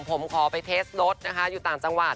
ผมขอไปเทสรถนะคะอยู่ต่างจังหวัด